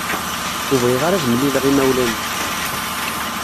Ur bɣiɣ ara ad mlileɣ imawlan-ik.